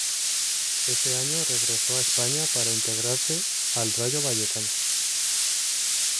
Ese año regresó a España para integrarse al Rayo Vallecano.